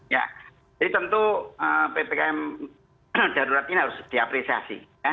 ya jadi tentu ppkm darurat ini harus diapresiasi